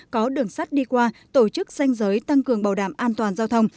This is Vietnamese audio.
có đường sắt đi qua tổ chức xanh giới tăng cường bảo đảm an toàn giao thông